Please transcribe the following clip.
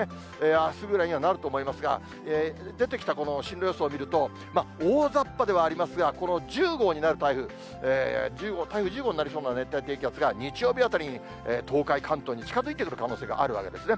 あすぐらいにはなると思いますが、出てきたこの進路予想を見ると、大ざっぱではありますが、この１０号になる台風、１０号になりそうな台風、熱帯低気圧が日曜日あたりに、東海、関東に近づいてくる可能性があるわけですね。